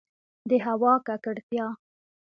د هوا ککړتیا